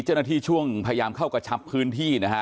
เจ้าหน้าที่ช่วงพยายามเข้ากระชับพื้นที่นะฮะ